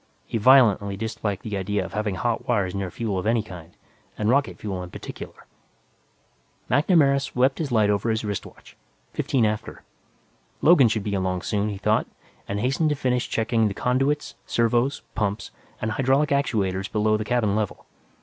He violently disliked the idea of having hot wires near fuel of any kind, and rocket fuel in particular. MacNamara swept his light over his wrist watch. Fifteen after. Logan should be along soon, he thought, and hastened to finish checking the conduits, servos, pumps and hydraulic actuators below the cabin level.